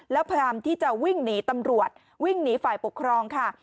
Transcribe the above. แล้วพยายามที่จะวิ่งหนีตำรวจวิ่งหนีฝ่ายปกครองค่ะ